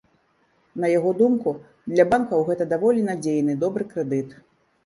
На яго думку, для банкаў гэта даволі надзейны, добры крэдыт.